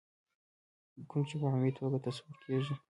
کوم چې په عمومي توګه تصور کېږي.